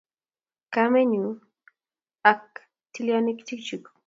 Kamenyu ak tilyonutikchu